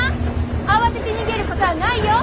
慌てて逃げることはないよ！